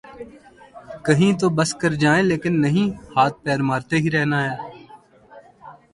کہیں تو بس کر جائیں لیکن نہیں ‘ ہاتھ پیر مارتے ہی رہنا ہے۔